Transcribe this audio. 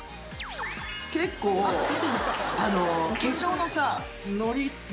結構化粧のさノリがさ